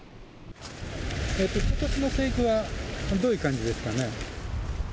ことしの生育はどういう感じですかね。